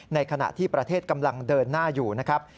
ในขณะที่ประเทศกำลังเดินหน้าอยู่นะครับ